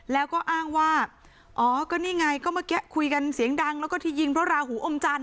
แล้วก็อ้างว่าอ๋อก็นี่ไงก็เมื่อกี้คุยกันเสียงดังแล้วก็ที่ยิงเพราะราหูอมจันท